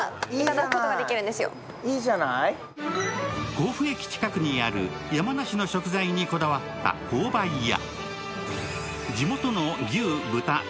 甲府駅近くにある山梨の食材にこだわった紅梅や。